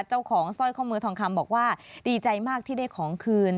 สร้อยข้อมือทองคำบอกว่าดีใจมากที่ได้ของคืน